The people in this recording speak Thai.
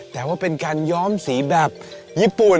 แต่ว่าเป็นการย้อมสีแบบญี่ปุ่น